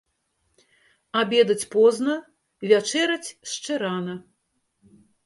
Абедаць позна, вячэраць шчэ рана.